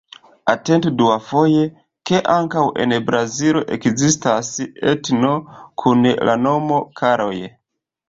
Atentu duafoje, ke ankaŭ en Brazilo ekzistas etno kun la nomo "Karoj".